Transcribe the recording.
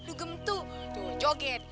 dugem tuh cuman joget